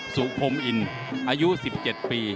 สุพรมอินอายุ๑๗ปี